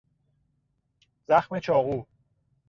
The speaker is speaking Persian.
زخم چاقو